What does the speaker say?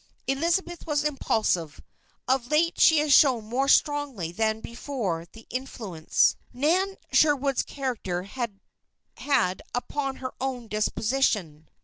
Elizabeth was impulsive; of late she had shown more strongly than before the influence Nan Sherwood's character had had upon her own disposition.